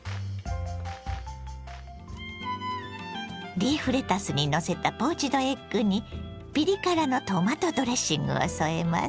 リーフレタスにのせたポーチドエッグにピリ辛のトマトドレッングを添えます。